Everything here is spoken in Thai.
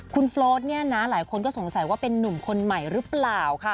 คุณโฟสเนี่ยนะหลายคนก็สงสัยว่าเป็นนุ่มคนใหม่หรือเปล่าค่ะ